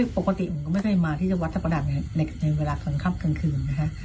ปกติผมไม่ได้มาที่จะวัทธ์ประดับในเวลาตอนคับตั้งคืนนะฮะ